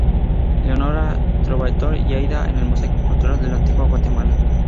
Leonora en Il Trovatore y Aida en el Mosaico Cultural en La Antigua Guatemala.